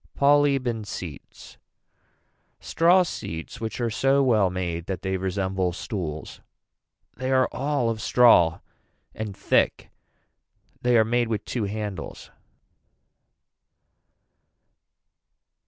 Polybe and seats. Straw seats which are so well made that they resemble stools. They are all of straw and thick. They are made with two handles.